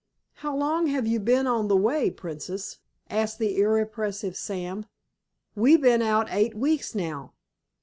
"How long have you been on the way, Princess?" asked the irrepressible Sam. "We been out eight weeks now."